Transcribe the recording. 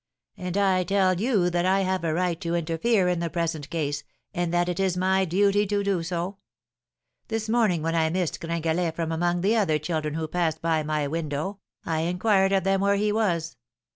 'And I tell you that I have a right to interfere in the present case, and that it is my duty so to do. This morning when I missed Gringalet from among the other children who passed by my window, I inquired of them where he was.